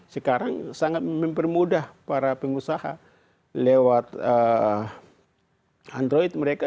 sekarang sangat mempermudah para pengusaha lewat android mereka